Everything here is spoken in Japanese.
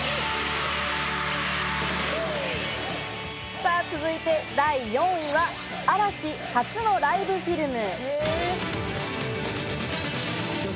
さぁ続いて、第４位は嵐、初のライブフィルム。